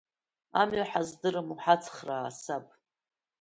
Амҩа ҳаздыруам, уҳацхраа, саб.